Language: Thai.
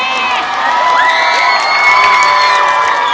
ร้องถูกต้องนะครับ